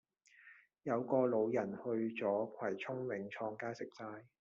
有個老人去左葵涌永創街食齋